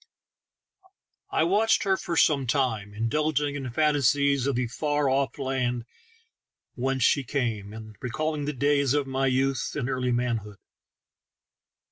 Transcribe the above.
I watched her for some time, indulging in fancies of the far off land whence she came, and recalling the days of my youth and early manhood.